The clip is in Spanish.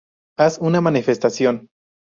Haz una manifestación